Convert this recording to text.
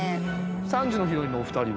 ３時のヒロインのお二人は？